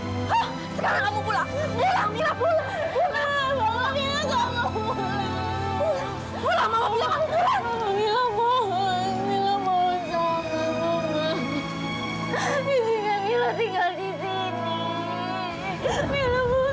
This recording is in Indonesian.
mama aku kenyang anak